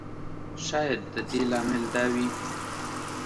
شاید د دې لامل دا وي.